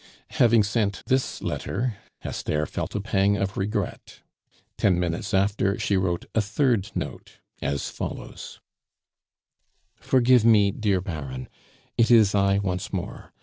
Having sent this letter, Esther felt a pang of regret. Ten minutes after she wrote a third note, as follows: "Forgive me, dear Baron it is I once more.